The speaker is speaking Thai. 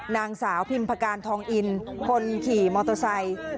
นางสาวพิมพการทองอินคนขี่มอเตอร์ไซค์